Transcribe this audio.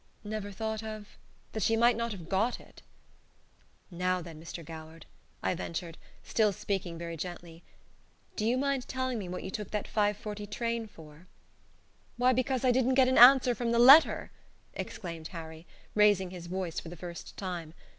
"Never thought of " "That she might not have got it." "Now then, Mr. Goward," I ventured, still speaking very gently, "do you mind telling me what you took that 5.40 train for?" "Why, because I didn't get an answer from the letter!" exclaimed Harry, raising his voice for the first time.